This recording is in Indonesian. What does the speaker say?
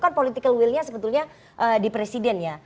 dan political will nya sebetulnya di presidennya